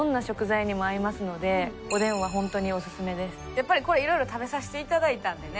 やっぱりこれ色々食べさせていただいたんでね